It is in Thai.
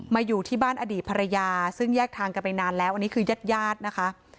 อยู่ที่บ้านอดีตภรรยาซึ่งแยกทางกันไปนานแล้วอันนี้คือญาติญาตินะคะ